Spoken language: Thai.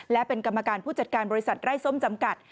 และเป็นกรรมการผู้จัดการบริษัทไร้ส้มจำกัด